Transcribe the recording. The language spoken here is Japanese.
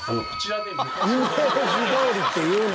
イメージどおりって言うな！